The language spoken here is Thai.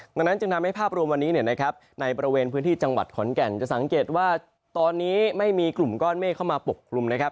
ดังนั้นจึงทำให้ภาพรวมวันนี้ในบริเวณพื้นที่จังหวัดขอนแก่นจะสังเกตว่าตอนนี้ไม่มีกลุ่มก้อนเมฆเข้ามาปกคลุมนะครับ